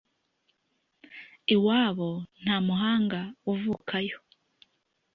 iwabo ntamuhanga uvukayo.